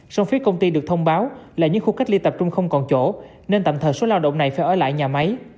song phía công ty được thông báo là những khu cách ly tập trung không còn chỗ nên tạm thời số lao động này phải ở lại nhà máy